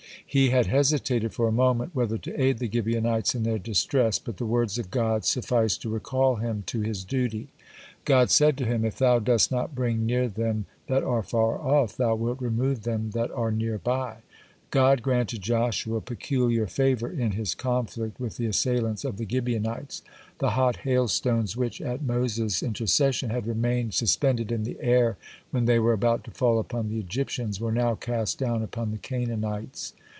He had hesitated for a moment whether to aid the Gibeonites in their distress, but the words of God sufficed to recall him to his duty. God said to him: "If thou dost not bring near them that are far off, thou wilt remove them that are near by." (37) God granted Joshua peculiar favor in his conflict with the assailants of the Gibeonites. The hot hailstones which, at Moses' intercession, had remained suspended in the air when they were about to fall upon the Egyptians, were now cast down upon the Canaanites.